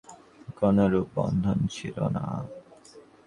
আশ্চর্য আধ্যাত্মিক ভাবরাশির সহিত এই নির্বিণ্ণতার ফলে তাঁহার কোনরূপ বন্ধন ছিল না।